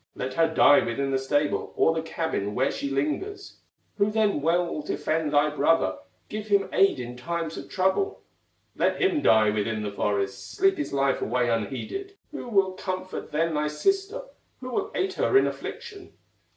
"Let her die within the stable, Or the cabin where she lingers!" "Who then will defend thy brother, Give him aid in times of trouble?" "Let him die within the forest, Sleep his life away unheeded!" "Who will comfort then thy sister, Who will aid her in affliction?"